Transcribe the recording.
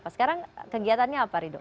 sekarang kegiatannya apa rido